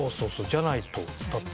じゃないとだって。